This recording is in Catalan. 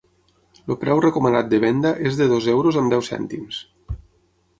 El preu recomanat de venda és de dos euros amb deu cèntims.